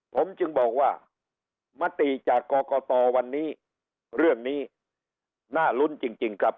ผมจึงบอกว่ามติจากกรกตวันนี้เรื่องนี้น่าลุ้นจริงครับ